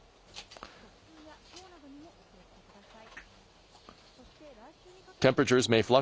突風や、ひょうなどにもお気をつけください。